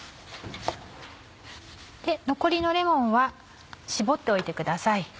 残りのレモンは搾っておいてください。